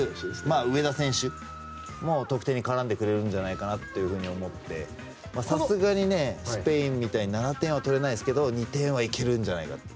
上田選手も得点に絡んでくるんじゃないかと思っていてさすがにスペインみたいに７点は取れないけど２点はいけるんじゃないかと。